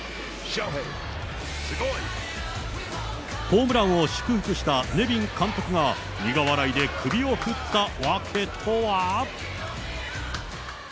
ホームランを祝福したネビン監督が苦笑いで首を振ったわけとは。